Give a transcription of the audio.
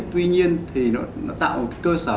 tuy nhiên thì nó tạo một cái cơ sở